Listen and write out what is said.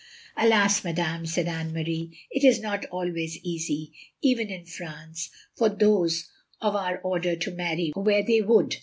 "Alas, madame," said Anne Marie, "it is not always easy, even in France, for those of our 366 THE LONELY LADY order to marry where they would.